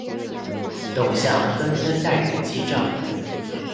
董相纷纷逮捕击杖。